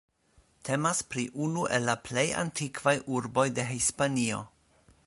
Temas pri unu el la plej antikvaj urboj de Hispanio.